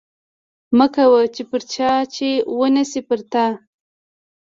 مه کوه پر چا چې ونشي پر تا